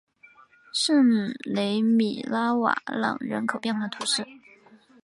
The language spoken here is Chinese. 圣雷米拉瓦朗人口变化图示